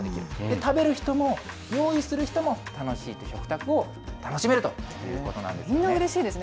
食べる人も、用意する人も楽しいと、食卓を楽しめるということなんですね。